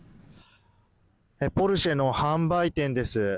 ポルシェの販売店です。